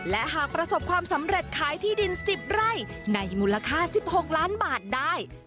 และหากประสบความสำเร็จขายที่ดิน๑๐ไร่ในมูลค่า๑๖ล้านบาทได้